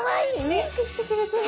ウインクしてくれてる。